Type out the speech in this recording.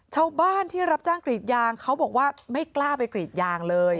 ชาวบ้านที่รับจ้างกรีดยางเขาบอกว่าไม่กล้าไปกรีดยางเลย